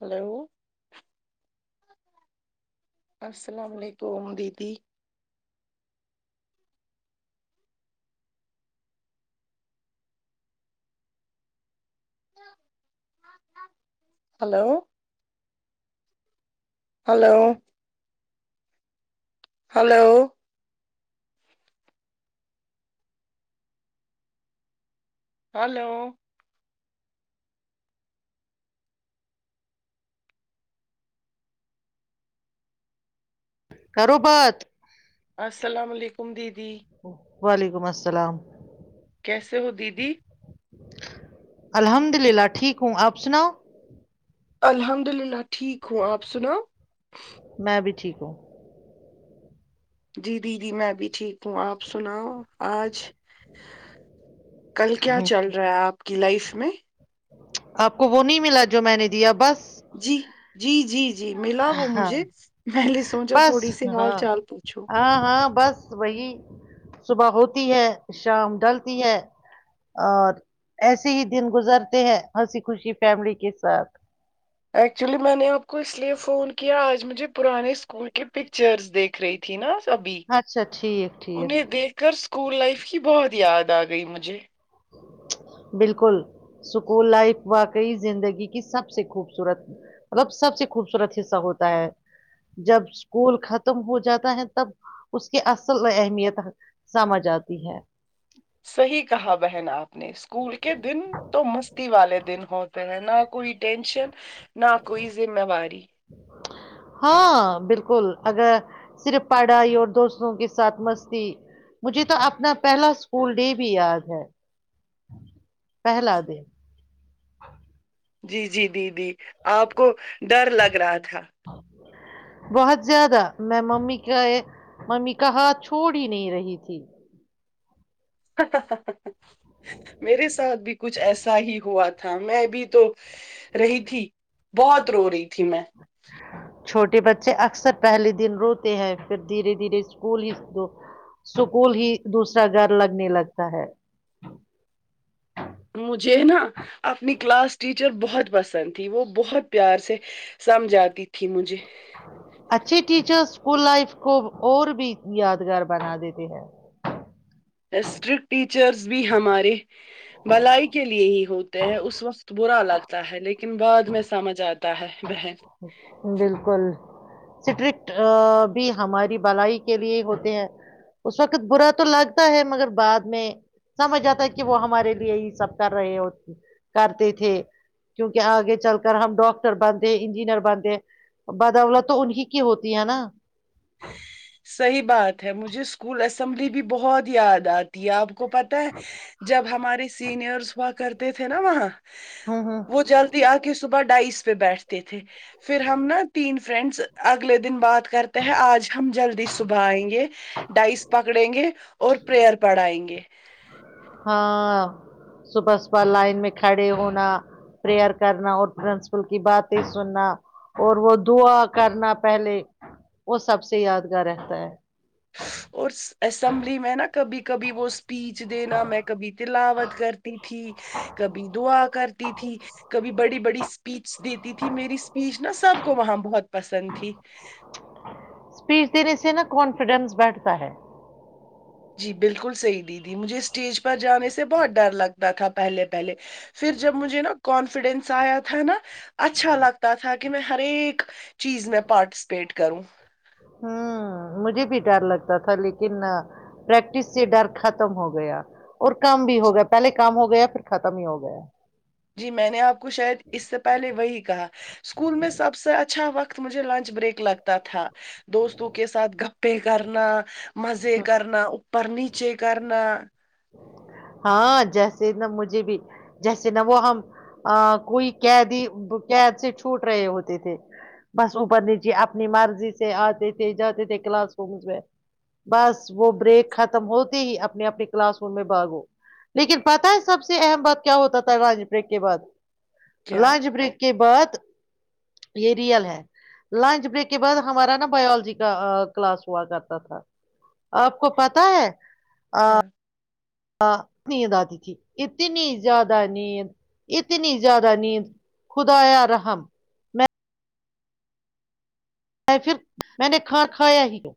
Hello السلام علیکم دیتیی ہلو ہلو ہلو ہلو کروپت السلام علیکم دیدی دوی وعلیکم السلام کیسے ہو دیدی الحمد للہ ٹھیک ہوں آپ سناؤ الحمد للہ ٹھیک ہوں آپ سناو [inaudible] میں بھی ٹھیک ہوں جی جی جی میں بھی ٹھیک ہوں آپ سناؤ آج کل کیا چل رہا ہے آپ کی لائف میں؟ آپ کو وہ نہیں ملا جو میں نے دیا بس جی جی جی ج جی ملا وہ ہاں مجھے میں نے سوچا بس تھوڑی سی ہال چال پوچھو ب وہی صبح ہوتی ہے شام ڈلتی ہے اور ایسے ہی دن گزرتے ہیں ہنسی خوشی فیملی کے ساتھ ایکچولی میں نے آپ کو اس لیے فون کیا آج مجھے پرانے اسکول کے پکچرز دیکھ رہی تھی نا تبھی اچھا ٹھیک انہیں ٹھیک دیکھ کر اسکول لائف کی بہت یاد آ گئی مجھے بالکل سکول لائف واقعی زندگی کی سب سے خوبصورت مطلب سب سے خوبصورت حصہ ہوتا ہے جب اسکول ختم ہو جاتا ہے تب اس کی اصل اہمیت سمج آتی ہے صحیح کہا بہن آپ اپنے اسکول کے دن تو مستی والے دن ہوتے ہیں نہ کوئی ٹینشن نہ کوئی ذمہواری ہاں بالکل اگر صرف پڑھائی اور دوستوں کے ساتھ مستی مجھے تو اپنا پہلا اسکول ڈے بھی یاد ہے پہلا دن جی جی دیدی آپ کو ڈر لگ رہا تھا بہت زیادہ میں م کا ممی کا ہاتھ چھوڑ ہی نہیں رہی تھی میرے ساتھ بھی کچھ ایسا ہی ہوا تھا میں بھی تو رہی تھی بہت رو رہی تھی میں چھوٹے بچے اکثر پہلے دن روتے ہیں پھر دھیرے دھیرے اسکول ہی سکول ہی دوسرا گھر لگنے لگتا ہے مجھے نا اپنی کلاس ٹیچر بہت پسند تھی وہ بہت پیار سے سمجھ آتی تھی مجھے اسک لائف کو اور بھی یادگار بنا دیتے ہیں اسٹرکٹ ٹیچرس بھی ہمارے بھلائی کے لیے ہی ہوتے ہیں اس وقت برا لگتا ہے لیکن بعد میں سمجھ آتا ہے بہن بالکل اسٹرکٹ بھی ہماری بھلائی کے لیے ہوتے ہیں اس وقت برا تو لگتا ہے مگر بعد میں سمجھ آتا ہے کہ وہ ہمارے لیے ہی سب کر رہے ہو کرتے تھے کیونکہ آگے چل کر ہم ڈاکٹر بندتےے انجینئر بنتے بدوولت تو انیں کی ہوتی ہے نا صحیح بات ہے مجھے اسکول اسمبلی بھی بہت یاد آتی ہے آپ کو پت ہے جب ہمارے سینئرس ہوا کرتے د تھے ن وہاں ہوں ہوں وہ جلدی آ کے صبح ڈھائیس پہ بیٹھتے تھے پھر ہم نا تین فرینڈس اگلے دن بات کرتے ہے آج ہم جلدی صبح آئیں گے ڈائس پکڑیں گے اور پریئر پڑھائیں گے ہاں صبح صبح لائن میں کھڑے ہونا پریئر کرنا اور پرنسپل کی باتیں سننا اور وہ دعا کرنا پہلے وہ سب سے یادگار رہتا ہے اور اسمبلی میں نا کبھی کبھی وہ پیچ دینا میں کبھی تلاوت کرتی تھی کبھی دعا کرتی تھی کبھی بڑی بڑی اسپیچ دیتی تھی میری اسپیچ نا سب کو وہاں بہت پسند تھی اسپیچ دینے سے نا کانفیڈینس بیٹھتا ہے جی بالکل صحیح دیدی مجھے اسٹیج پر جانے سے بہت ڈر لگتا تھا پہلے پہلے پھر جب مجھے نا کانفیڈینس آیا تھا نا اچھا لگتا تھا کہ کہ میں ہر ایک چیز میں پاٹسپیٹ کروں ہ مجھے بھی ڈر لگتا تھا لیکن پریکٹس سے ڈر ختم ہو گیا اور کم بھی ہو گیا پہلے کام ہو گیا پھر ختم ہی ہو گیا جی میں نے آپ کو شاید اس سے پہلے وہی کہا اسکول میں سب سے اچھا وقت مجھے لنچ بریک لگتا تھا دوستوں کے ساتھ گپ پے کرنا مزے کرنا اوپر نیچے چ کرنا ہاں جیسے نہ مجھے بھی جیسے ن وہ ہم کوئی قیدی قید سے چھوٹ رہے ہوتے تھے بس اوپر نیچے اپنی مرضی سے آتے تھے جاتے تھے کلاس روم میں بس وہ بریک ختم ہوتے ہی اپنے اپنے کلاس روم میں باگو لیکن پتا ہے سب سے اہم بات کیا ہوتا تھا گانج بریک کے بعد کیا لنچ بریک کے بعد یہ ریئل ہے لنچ بریک کے بعد ہمارا نا باولوجی کا کلاس ہوا کرتا تھا آپ کو پتا ہے ہاں ہ نیند آتی تھی اتنی زیادہ نیند اتنی زیادہ نیند خدایا رحم میں پھر میں نے کھانا کھایا ہی تو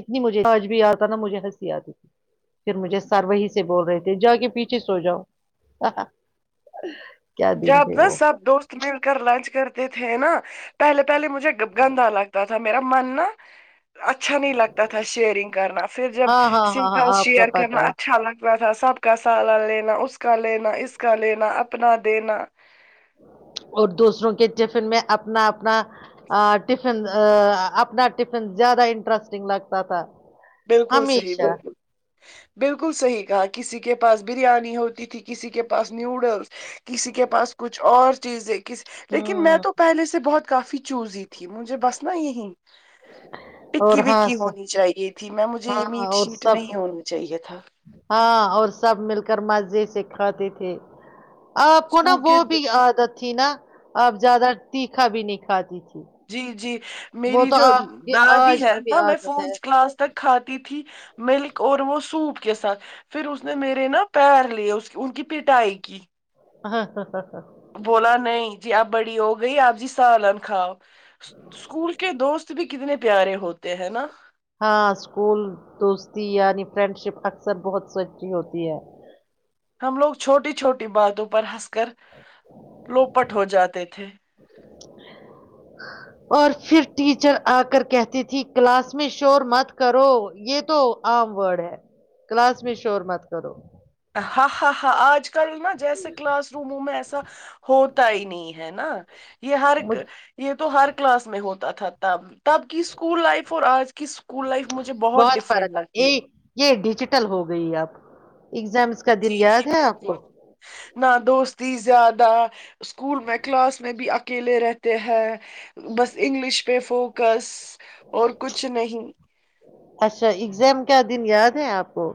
اتنی مجھے آج بھی آتا نا مجھے ہنسی آتی تھی پھر مجھے سر وہی سے بول رہے تھے جا کے پیچھے سو جاؤ کیا دن جب تھے ن وہ سب دوست مل کر لنچ کر تھے نا پہلے پہلی مجھے گندا لگتا تھا میرا من ن اچھا نہیں لگتا تھا شیئرنگ کرنا پھر جب ہاں ہاں ہاں سیکھا ہاں آپ کا شیئر پتہ کرنا ہے اچھا لگتا تھا سب کا سال لینا اس کا لینا اس کا لینا اپنا دینا اور دوسروں کے ٹفن میں اپنا اپنا ٹفن اپنا ٹفن زیادہ انٹرسٹنگ لگتا تھا بالکل صحی ہمیشہ بالکل بالکل صحیح کہا کسی کے پاس بریانی ہوتی تھی کسی کے پاس نیوڈلس کسی کے پاس کچھ اور چیزیں سے لیکن میں ہوں تو پہے سے بہت کافی چوزی تھی مجھے بس نا یہی اور ٹکی ہاں وکی س- ہونی چاہیے میں مجھے یہ ہاں میٹ اور شیٹ سب نہیں ہونی چاہیے تھا ہاں اور سب مل کر مزے سے کھاتے تھے آپ کو نا اسکول وہ کے د- بھی عادت تھی نا اب زیادہ تیکھا بھی نہیں کھاتی تھی جی جی وہ میری تو جو آپ کی دادی آج ہے کی بھی نا میں عادت ہے فورتھ کلاس تک کھاتی تھی ت ملک اور وہ سوپ کے ساتھ پھر اس نے میرے نا پیر لیے اس کی ان کی پٹائی کی ہاں ہاں ہاں ہاں بولا نہیں جی آپ بڑی ہو گئی آپ جی سالن کھاؤ اسکول کے دوست بھی کتنے پیارے ہوتے ہیں نا ہاں اسکول دوستی یعنی فرینڈشپ اکثر بہت سچی ہوتی ہے ہم لوگ چھوٹی چھوٹی باتوں پر ہنس کر لوپٹ ہو جاتے تھے اور پھر ٹیچر آ کر کہتی تھی کلاس میں شور مت کرو یہ تو عام ورڈ ہے کلاس میں شور مت کرو ہاں ہاں ہاں آج کل نہا جیسے کلاس روموں میں ایسا ہوتا ہی نہیں ہے نا یہ ہر مجھ یہ تو ہر کلاس میں ہوتا تھا تب تب کی اسکول لائف اور آج کہ اسکول لائف مجھے بہت ڈفرنٹ لگتی ہے اٹل ہو گئی اب اگزامس کا دن جی یاد جی ہے آپ کو بالکل نہ دوستی زیادہ اسکول میں کلاس میں بھی اکیلے رہتے ہیں بس انگلش پہ فوکس اور کچھ نہیں اچھا اگزام کیا دن یاد ہے آپ کو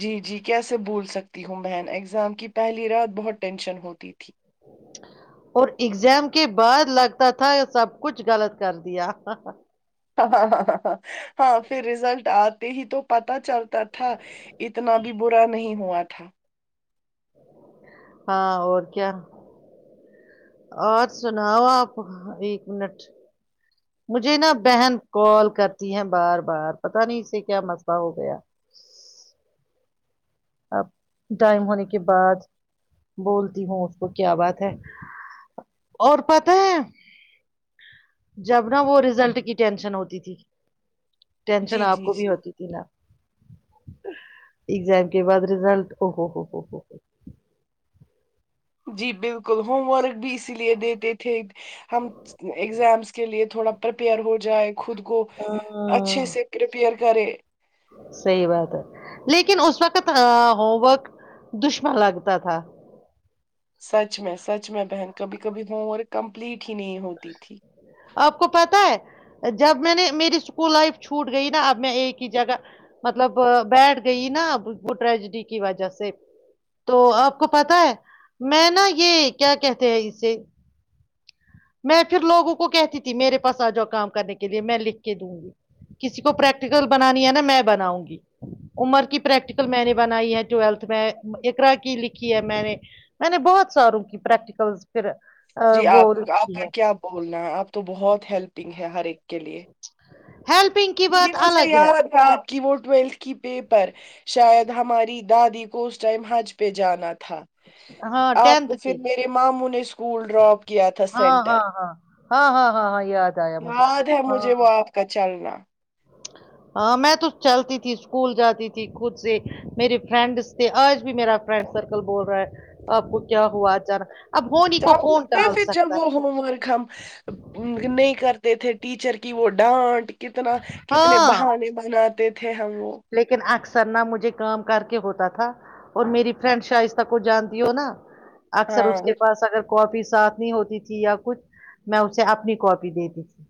جی جی کیسے بول سکتی ہوں بہن ایگزام کی پہلی رات بہت ٹینشن ہوتی تھی اور ایگزام کے بعد لگتا تھا سب کچھ غلط کر دیا ہاں ہاں ہاں ہاں ہاں ہاں پھر رزلٹ آتے ہی تو پت چلتا تھا اتنا بھی برا نہیں ہوا تھا ہاں اور کیا اور سناؤ آپ ایک منٹ مجھے نا بہن کال کرتی ہے بار بار پتا نہیں اسے کیا مسئلہ ہو گیا اب ٹائم ہونے کے بعد بولتی ہوں اس کو کیا بات ہے اور پت ہے جب ن وہ رزلٹ کی ٹینشن ہوتی تھی ٹینشن جی آپ جی کو بھی جی ہوتی تھی نا ایگزام کے بعد رزلٹ او ہو ہو ہو ہو جی بالکل ہوم ورک بھی اسی لیے دیتے تھے ہم اگزامس کے لیے تھوڑا پریپیئر ہو جائے گا خود کو ہاں اچھے سے پرپیئر کرے صحیح بات ہے لیکن اس وقت ہوم ورک دشمن لگتا تھا سچ میں سچ میں بہن کبھی کبھی ہوں اور کمپلیٹ نہیں ہوتی تھی آپ کو پتا جب میں نے میری اسکول لائف چھوٹ گئی نا اب میں ایک ہی جگہ مطلب بیٹھ گئی نا ا وہ ٹریجڈی کی وجہ سے تو اچھا آپ کو پتا ہے میں نا یہ کیا کہتے ہیں اسے میں پھر لوگوں کو کہتی تھی میرے پاس آ جاؤ کام کرنے کے لیے میں لکھ کے دوں گی کسی کو پریکٹیکل بنانی ہے نا میں بناؤں گی عمر کی پریکٹیکل میں نے بنائی ہے ٹویلتھ میں ارا کی لکھی ہے میں نے میں نے بہت ساروں کی پریکٹیکل پھر جی وہ آپ کو آپ لکھی کا ہے کیا بولنا ہے آپ تو بہت ہیلپنگ ہے ہر ایک کے لیے ہیلپنگ کی بات الگ ہے کہ وہ ٹویلتھ کی پیپر شاید ہماری دادی کو اس ٹائم حج پہ جانا تھا ہاں آپ ٹینتھ کو پھر کی میرے ماموں نے اس کوول ڈراپ کیا تھا ہاں سینٹر ہاں ہاں ہاں ہاں ہاں ہاں یاد آیا مجھے یاد ہے ہاں مجھے وہ آپ کا چلنا ہاں میں تو چلتی تھی اسکول جاتی تھی خود سے میرے فرینڈس تھے آج بھی میرا فرینڈ سرکل بول رہا ہے آپ کو کیا ہوا اان پھر چل وہ ہوم ورک ہم نہیں کرتے تھے ٹیچر کی وہ ڈانٹ کتنا کتنے ہاں بہانے بناتے تھے ہم وہوگ سرنا مجھے کام کر کے ہوتا تھا اور میری فرینڈ شائستہ کو جانتی ہو نا اکثر اس ہاں کے پاس اگر کاپی ساتھ نہیں ہوتی تھی یا کچھ میں اسے اپنی کاپی دیتی تھی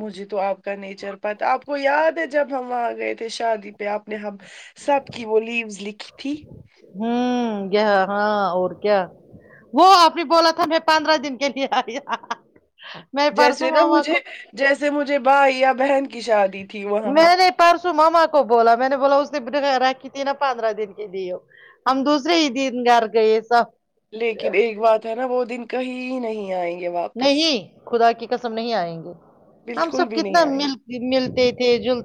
مجھے تو آپ کا نہیں چل پاتا آپ کو یاد ہے جب ہم وہاں گئے تھے شادی پہ آپ نے ہم سب کی وہ لیمز لکھی تھی ہوں ہاں اور کیا وہ آپ نے بولا تھا میں پندرہ دن کے لیے آیا جیسے نا مجھے جیسے مجھے بھائی یا بہن کی شادی تھی وہاں میں نہیں پر ماما کو بولا میں نے بولا اس نے رھی تھی نا پندرہ دن کی دی ہو ہم دوسر ہی دن گھر گئے سب لیکن ایک بات ہے نا وہ دن کہیں نہیں آئی نہیں خدا کی سم نہیں آئیں گے ہم بالکل سب بھی نہیں کتنا آئیں گے مل ملتے [inaudible]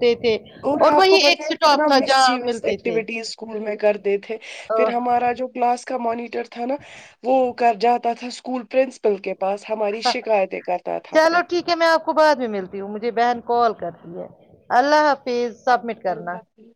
اور آپ وہی کو ایک پتا ہے اسٹاپ کتنا تھا جہاں مسچیویس ملتے تھے ایکٹیویٹیز اسکول میں کرتے تھے پھر ہمارا جو کلاس کا مانیٹر تھا نا وہ کر جاتا تھا اسکول پرنسپل کے پاس ہماری شکایتیں کرتا تھا چلو پھر ٹھیک ہے میں آپ کو بعد میں ملتی ہوں مجھے بہن کال کر اللہ حافظ سبمٹ کرنا اللہ